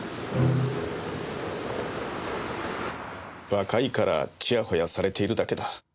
若いからちやほやされているだけだ。